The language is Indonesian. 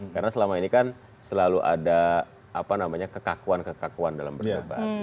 karena selama ini kan selalu ada kekakuan kekakuan dalam berdebat